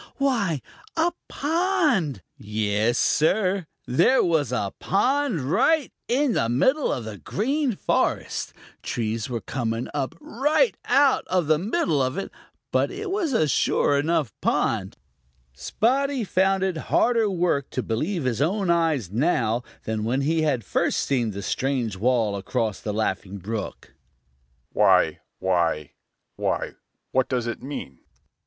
Why, a pond! Yes, Sir, there was a pond right in the middle of the Green Forest! Trees were coming up right out of the middle of it, but it was a sure enough pond. Spotty found it harder work to believe his own eyes now than when he had first seen the strange wall across the Laughing Brook. "Why, why, why, what does it mean?"